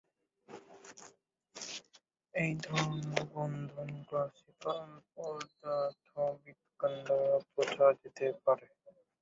এই ধরনের বন্ধন ক্লাসিক্যাল পদার্থবিজ্ঞান দ্বারা বোঝা যেতে পারে।